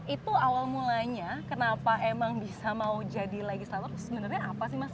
itu awal mulanya kenapa emang bisa mau jadi legislator sebenarnya apa sih mas